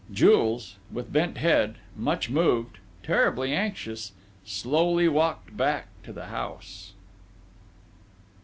Jules, with bent head, much moved, terribly anxious, slowly walked back to the house....